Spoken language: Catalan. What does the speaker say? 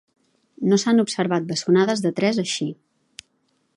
No s'han observat bessonades de tres així.